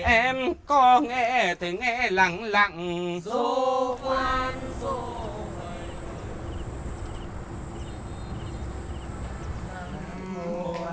em có nghe thì nghe lặng lặng dô khoan dô hầy